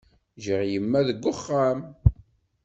Ǧǧiɣ imma deg uxxam.